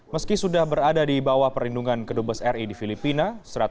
meski sudah berada di bawah perlindungan kedubes ri di filipina